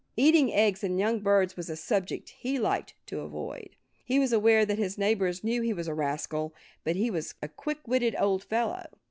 Eating eggs and young birds was a subject he liked to avoid. He was aware that his neighbors knew he was a rascal. But he was a quick witted old fellow.